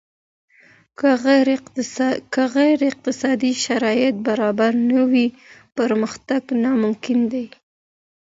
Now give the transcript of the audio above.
که غير اقتصادي شرايط برابر نه وي پرمختګ ناممکن دی.